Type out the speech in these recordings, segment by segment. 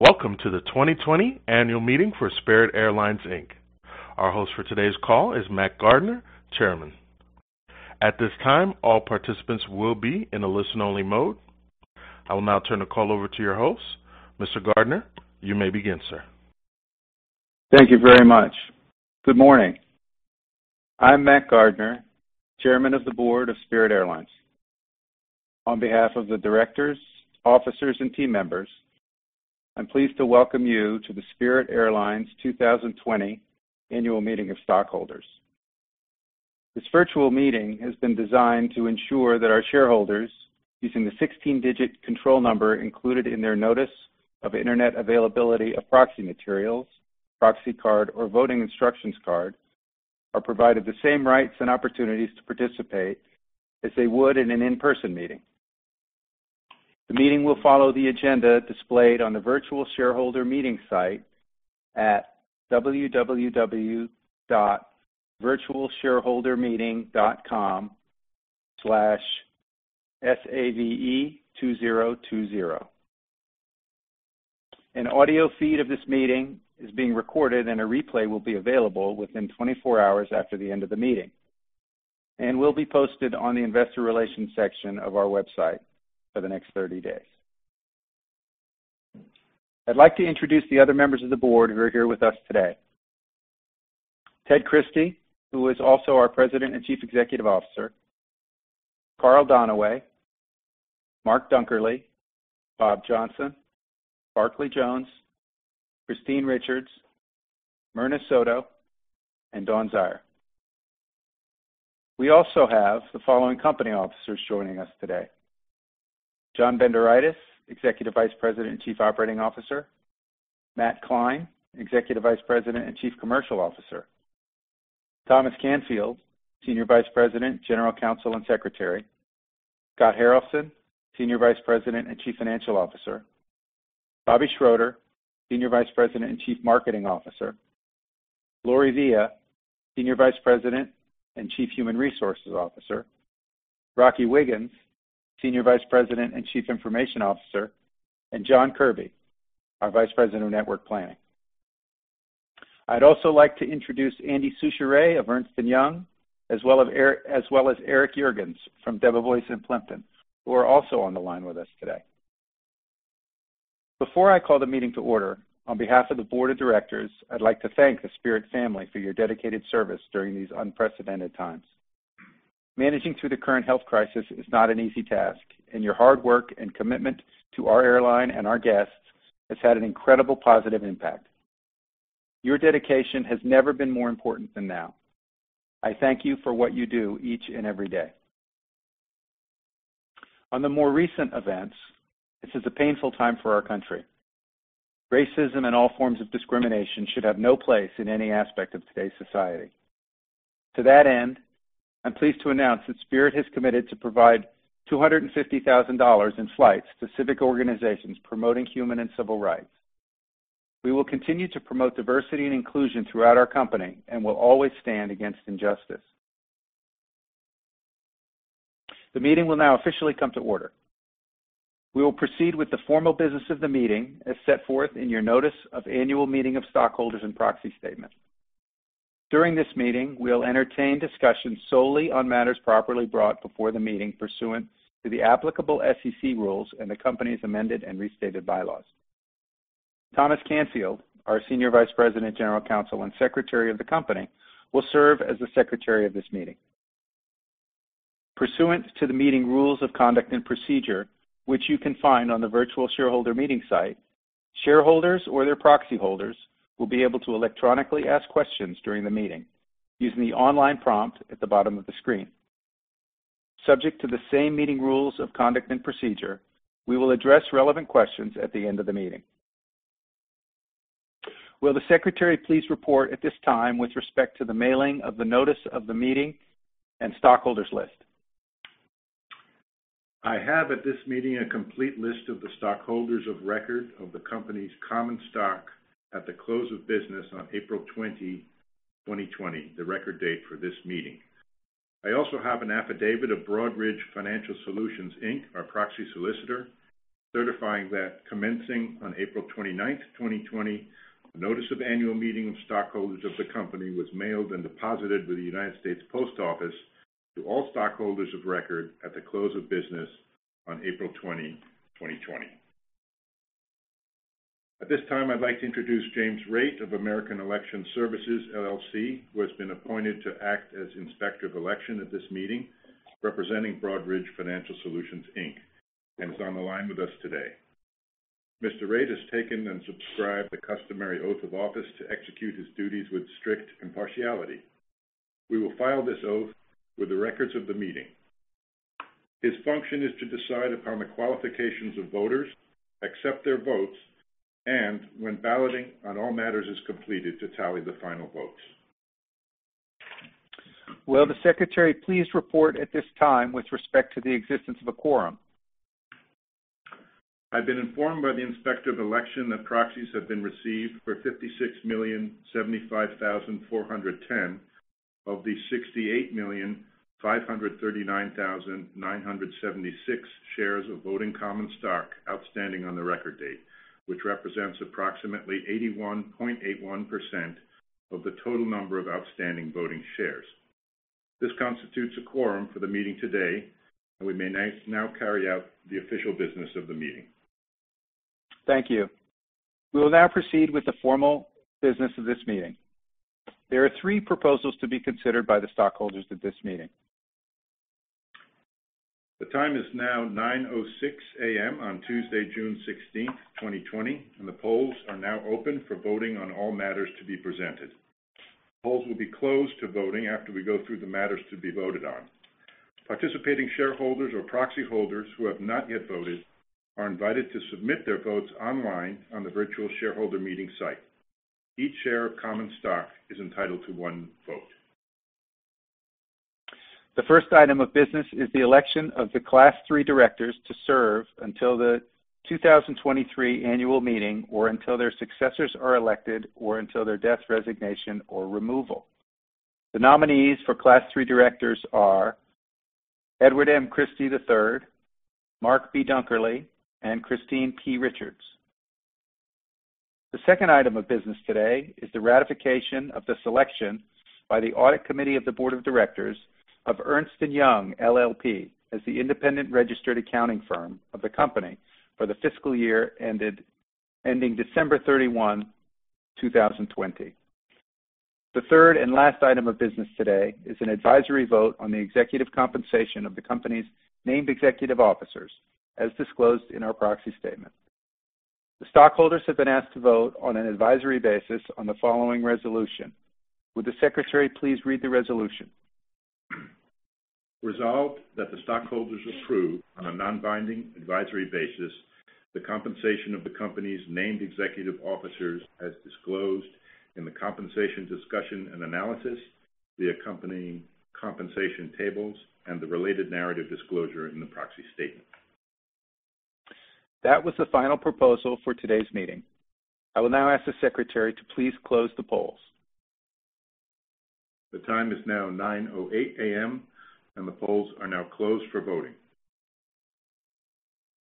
Welcome To The 2020 Annual Meeting For Spirit Airlines. Our host for today's call is Mac Gardner, Chairman. At this time, all participants will be in a listen-only mode. I will now turn the call over to your host. Mr. Gardner, you may begin, sir. Thank you very much. Good morning. I'm Mac Gardner, Chairman of the Board of Spirit Airlines. On behalf of the directors, officers, and team members, I'm pleased to welcome you to the Spirit Airlines 2020 Annual Meeting of Stockholders. This virtual meeting has been designed to ensure that our shareholders, using the 16-digit control number included in their Notice of Internet Availability of Proxy Materials, Proxy Card, or Voting Instructions Card, are provided the same rights and opportunities to participate as they would in an in-person meeting. The meeting will follow the agenda displayed on the Virtual Shareholder Meeting site at www.virtualshareholdermeeting.com/SAVE2020. An audio feed of this meeting is being recorded, and a replay will be available within 24 hours after the end of the meeting, and will be posted on the Investor Relations section of our website for the next 30 days. I'd like to introduce the other members of the board who are here with us today: Ted Christie, who is also our President and Chief Executive Officer; Carl Donaway; Mark Dunkerly; Bob Johnson; Barclay Jones; Christine Richards; Myrna Soto; and Don Zayer. We also have the following company officers joining us today: John Bendoraitis, Executive Vice President and Chief Operating Officer; Matt Kline, Executive Vice President and Chief Commercial Officer; Thomas Canfield, Senior Vice President, General Counsel, and Secretary; Scott Harrelson, Senior Vice President and Chief Financial Officer; Bobby Schroeder, Senior Vice President and Chief Marketing Officer; Laurie Vea, Senior Vice President and Chief Human Resources Officer; Rocky Wiggins, Senior Vice President and Chief Information Officer; and John Kirby, our Vice President of Network Planning. I'd also like to introduce Andy Soucheret of Ernst & Young, as well as Eric Jurgens from Davis Polk & Wardwell, who are also on the line with us today. Before I call the meeting to order, on behalf of the board of directors, I'd like to thank the Spirit family for your dedicated service during these unprecedented times. Managing through the current health crisis is not an easy task, and your hard work and commitment to our airline and our guests has had an incredible positive impact. Your dedication has never been more important than now. I thank you for what you do each and every day. On the more recent events, this is a painful time for our country. Racism and all forms of discrimination should have no place in any aspect of today's society. To that end, I'm pleased to announce that Spirit has committed to provide $250,000 in flights to civic organizations promoting human and civil rights. We will continue to promote diversity and inclusion throughout our company and will always stand against injustice. The meeting will now officially come to order. We will proceed with the formal business of the meeting as set forth in your Notice of Annual Meeting of Stockholders and Proxy Statement. During this meeting, we'll entertain discussions solely on matters properly brought before the meeting pursuant to the applicable SEC rules and the company's amended and restated bylaws. Thomas Canfield, our Senior Vice President, General Counsel, and Secretary of the Company, will serve as the Secretary of this meeting. Pursuant to the meeting rules of conduct and procedure, which you can find on the Virtual Shareholder Meeting site, shareholders or their proxy holders will be able to electronically ask questions during the meeting using the online prompt at the bottom of the screen. Subject to the same meeting rules of conduct and procedure, we will address relevant questions at the end of the meeting. Will the Secretary please report at this time with respect to the mailing of the Notice of the Meeting and Stockholders List? I have at this meeting a complete list of the stockholders of record of the company's common stock at the close of business on April 20, 2020, the record date for this meeting. I also have an affidavit of Broadridge Financial Solutions Inc., our proxy solicitor, certifying that commencing on April 29, 2020, the Notice of Annual Meeting of Stockholders of the Company was mailed and deposited with the United States Post Office to all stockholders of record at the close of business on April 20, 2020. At this time, I'd like to introduce James Raitt of American Election Services LLC, who has been appointed to act as Inspector of Election at this meeting, representing Broadridge Financial Solutions Inc., and is on the line with us today. Mr. Raitt has taken and subscribed a customary oath of office to execute his duties with strict impartiality. We will file this oath with the records of the meeting. His function is to decide upon the qualifications of voters, accept their votes, and, when balloting on all matters is completed, to tally the final votes. Will the Secretary please report at this time with respect to the existence of a quorum? I've been informed by the Inspector of Election that proxies have been received for $56,075,410 of the $68,539,976 shares of voting common stock outstanding on the record date, which represents approximately 81.81% of the total number of outstanding voting shares. This constitutes a quorum for the meeting today, and we may now carry out the official business of the meeting. Thank you. We will now proceed with the formal business of this meeting. There are three proposals to be considered by the stockholders at this meeting. The time is now 9:06 A.M. on Tuesday, June 16, 2020, and the polls are now open for voting on all matters to be presented. Polls will be closed to voting after we go through the matters to be voted on. Participating shareholders or proxy holders who have not yet voted are invited to submit their votes online on the Virtual Shareholder Meeting site. Each share of common stock is entitled to one vote. The first item of business is the election of the Class 3 directors to serve until the 2023 Annual Meeting or until their successors are elected or until their death, resignation, or removal. The nominees for Class 3 directors are Edward M. Christie III, Mark B. Dunkerly, and Christine P. Richards. The second item of business today is the ratification of the selection by the Audit Committee of the Board of Directors of Ernst & Young LLP as the independent registered accounting firm of the company for the fiscal year ending December 31, 2020. The third and last item of business today is an advisory vote on the executive compensation of the company's named executive officers, as disclosed in our proxy statement. The stockholders have been asked to vote on an advisory basis on the following resolution. Would the Secretary please read the resolution? Resolved that the stockholders approve on a non-binding advisory basis the compensation of the company's named executive officers, as disclosed in the compensation discussion and analysis, the accompanying compensation tables, and the related narrative disclosure in the proxy statement. That was the final proposal for today's meeting. I will now ask the Secretary to please close the polls. The time is now 9:08 A.M., and the polls are now closed for voting.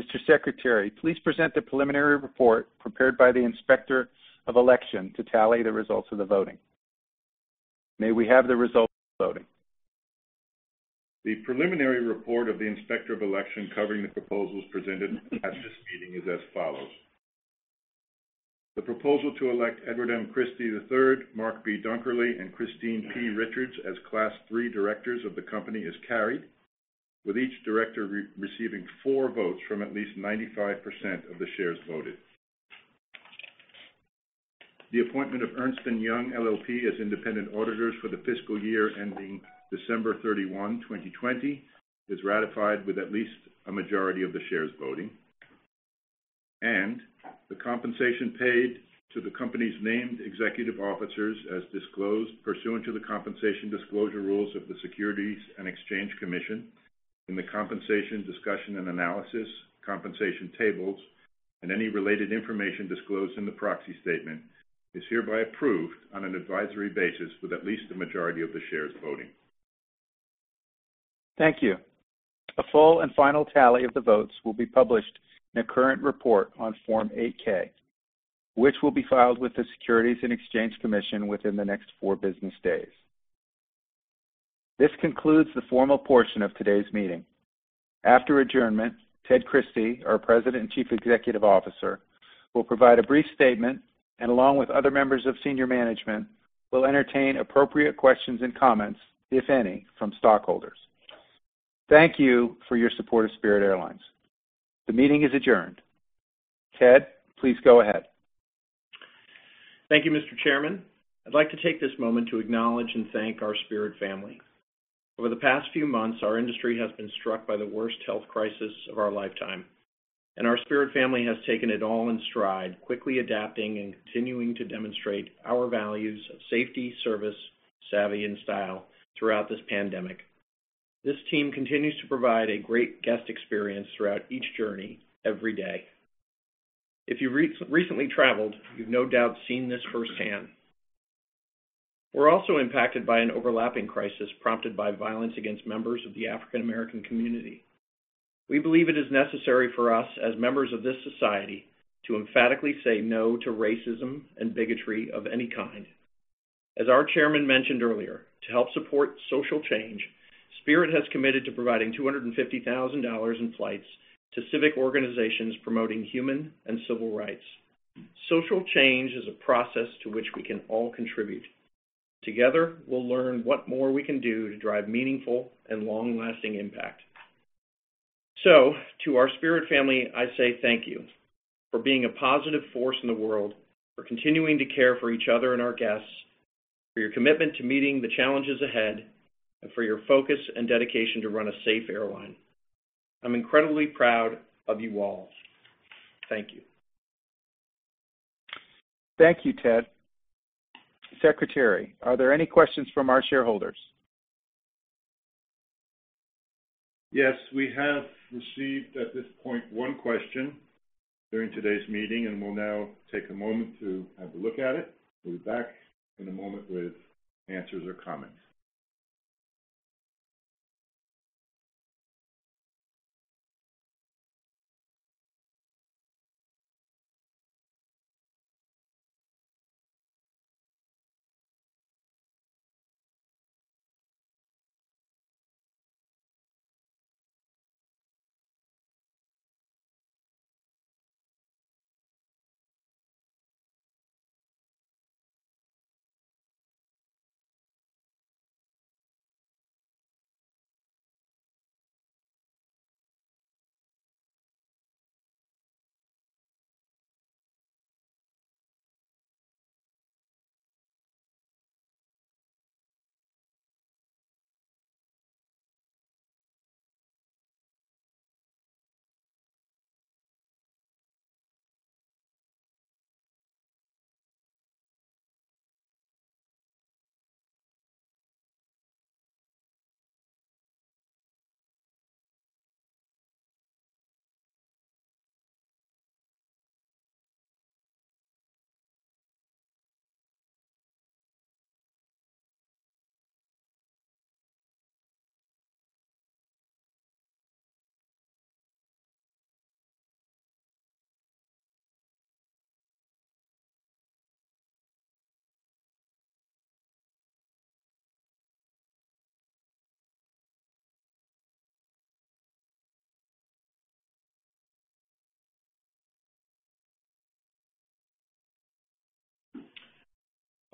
Mr. Secretary, please present the preliminary report prepared by the Inspector of Election to tally the results of the voting. May we have the result of the voting? The preliminary report of the Inspector of Election covering the proposals presented at this meeting is as follows. The proposal to elect Edward M. Christie III, Mark B. Dunkerly, and Christine P. Richards as Class 3 directors of the company is carried, with each director receiving four votes from at least 95% of the shares voted. The appointment of Ernst & Young LLP as independent auditors for the fiscal year ending December 31, 2020, is ratified with at least a majority of the shares voting, and the compensation paid to the company's named executive officers, as disclosed pursuant to the compensation disclosure rules of the Securities and Exchange Commission in the compensation discussion and analysis, compensation tables, and any related information disclosed in the proxy statement, is hereby approved on an advisory basis with at least a majority of the shares voting. Thank you. A full and final tally of the votes will be published in a current report on Form 8-K, which will be filed with the Securities and Exchange Commission within the next four business days. This concludes the formal portion of today's meeting. After adjournment, Ted Christie, our President and Chief Executive Officer, will provide a brief statement and, along with other members of senior management, will entertain appropriate questions and comments, if any, from stockholders. Thank you for your support of Spirit Airlines. The meeting is adjourned. Ted, please go ahead. Thank you, Mr. Chairman. I'd like to take this moment to acknowledge and thank our Spirit family. Over the past few months, our industry has been struck by the worst health crisis of our lifetime, and our Spirit family has taken it all in stride, quickly adapting and continuing to demonstrate our values of safety, service, savvy, and style throughout this pandemic. This team continues to provide a great guest experience throughout each journey, every day. If you recently traveled, you've no doubt seen this firsthand. We're also impacted by an overlapping crisis prompted by violence against members of the African American community. We believe it is necessary for us, as members of this society, to emphatically say no to racism and bigotry of any kind. As our Chairman mentioned earlier, to help support social change, Spirit has committed to providing $250,000 in flights to civic organizations promoting human and civil rights. Social change is a process to which we can all contribute. Together, we will learn what more we can do to drive meaningful and long-lasting impact. To our Spirit family, I say thank you for being a positive force in the world, for continuing to care for each other and our guests, for your commitment to meeting the challenges ahead, and for your focus and dedication to run a safe airline. I am incredibly proud of you all. Thank you. Thank you, Ted. Secretary, are there any questions from our shareholders? Yes, we have received at this point one question during today's meeting, and we'll now take a moment to have a look at it. We'll be back in a moment with answers or comments.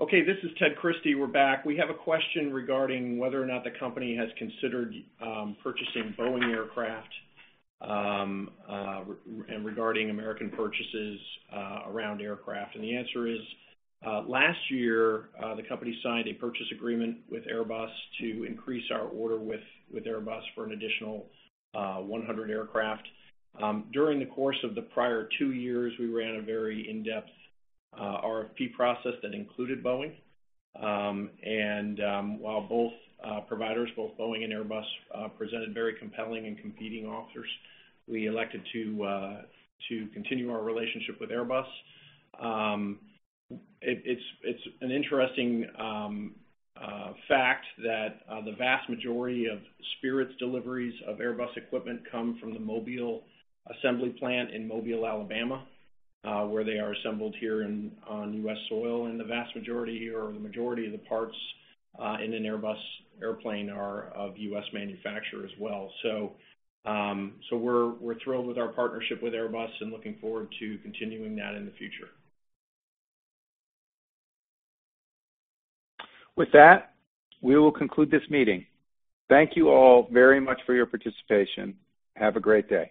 Okay, this is Ted Christie. We're back. We have a question regarding whether or not the company has considered purchasing Boeing aircraft and regarding American purchases around aircraft. The answer is, last year, the company signed a purchase agreement with Airbus to increase our order with Airbus for an additional 100 aircraft. During the course of the prior two years, we ran a very in-depth RFP process that included Boeing. While both providers, both Boeing and Airbus, presented very compelling and competing offers, we elected to continue our relationship with Airbus. It's an interesting fact that the vast majority of Spirit's deliveries of Airbus equipment come from the Mobile Assembly Plant in Mobile, Alabama, where they are assembled here on U.S. soil. The vast majority or the majority of the parts in an Airbus airplane are of U.S. manufacture as well. We are thrilled with our partnership with Airbus and looking forward to continuing that in the future. With that, we will conclude this meeting. Thank you all very much for your participation. Have a great day.